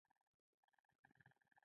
گهيځ وختي